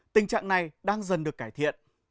tình trạng này đang dần được cải thiện